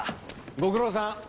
ご苦労さん。